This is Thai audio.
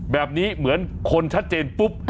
แบบนี้เหมือนคนชัดเจนปุ๊บ